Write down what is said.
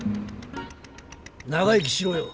長生きしろよ。